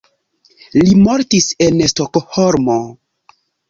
Li mortis en Stokholmo.